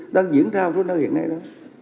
đang diễn ra một số nơi hiện nay đó